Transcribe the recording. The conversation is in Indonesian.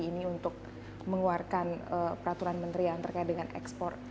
ini untuk mengeluarkan peraturan menteri yang terkait dengan ekspor